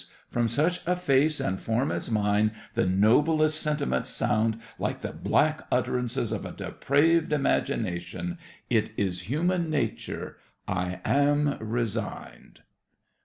From such a face and form as mine the noblest sentiments sound like the black utterances of a depraved imagination It is human nature—I am resigned.